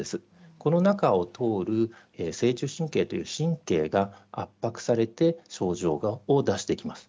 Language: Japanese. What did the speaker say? この中を通る正中神経という神経が圧迫されて症状を出してきます。